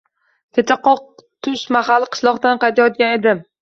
Kecha qoq tush mahali qishloqdan qaytayotgan edim